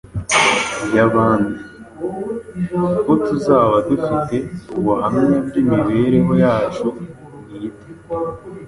y’abandi, kuko tuzaba dufite ubuhamya bw’imibereho yacu bwite.